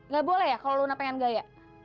gak boleh ya kalau luna pengen gaya